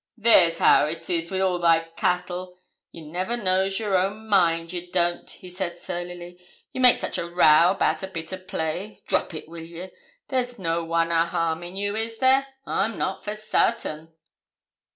'There's how it is wi' all they cattle! You never knows your own mind ye don't,' he said, surlily. 'You make such a row about a bit o' play. Drop it, will you? There's no one a harming you is there? I'm not, for sartain.'